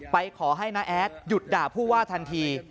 ไปขอให้น้าแอดหยุดด่าผู้ว่าทันที